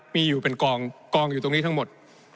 มีเป็นกองอยู่ตรงนี้ทั้งหมด